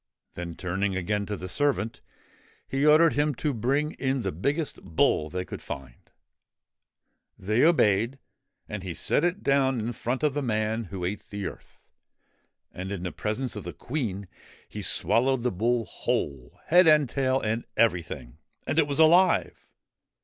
Then turning again to the servant, he ordered him to bring in the biggest bull they could find. They obeyed, and set it down in front of the man who ate the earth. And, in presence of the Queen, he swallowed the bull whole, head and tail and everything ; and it was alive